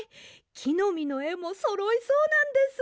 きのみのえもそろいそうなんです。